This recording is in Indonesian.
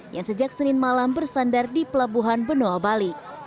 yang sejak senin malam bersandar di pelabuhan benoa bali